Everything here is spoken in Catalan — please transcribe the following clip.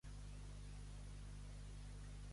Fer donar un surt.